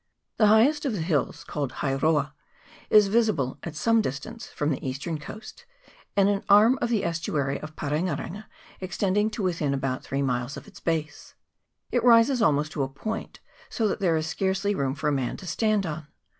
The highest of the hills, called Hairoa, is visible at some distance from the eastern coast, and an arm of the estuary of Pa renga renga, extending to within about three miles of its base. It rises almost to a point, so that there is scarcely room for a man to stand on.